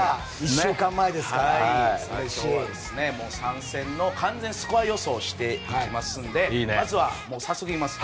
１週間前ですから３戦の完全スコア予想をしていきますのでまずは、早速行きます。